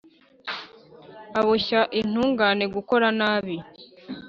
aboshya intungane gukora nabi.